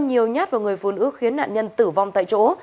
nhiều nhát vào người phụ nữ khiến nạn nhân tử vong tại chỗ